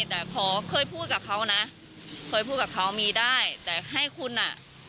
แต่ขอเคยพูดกับเขานะเคยพูดกับเขามีได้แต่ให้คุณอ่ะ